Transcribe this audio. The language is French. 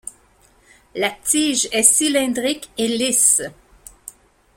La tige est cylindrique et lisse.